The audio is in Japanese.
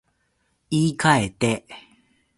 言い換えて